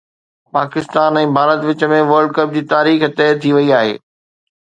پاڪستان ۽ ڀارت وچ ۾ world cup جي تاريخ طئي ٿي وئي آهي